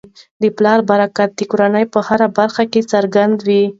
د پلار برکت د کورنی په هره برخه کي څرګند وي.